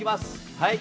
はい！